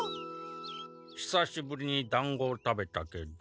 ひさしぶりにだんごを食べたけど。